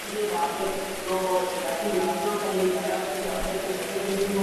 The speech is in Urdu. دیکھ کر خود کو محظوظ کرتے ہیں